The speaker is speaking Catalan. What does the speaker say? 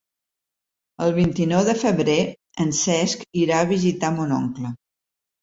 El vint-i-nou de febrer en Cesc irà a visitar mon oncle.